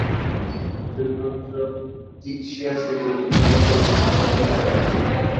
শুধুমাত্র কিক্সিয়া সিটি সম্পূর্ণ অন্তর্দেশীয় অবস্থিত।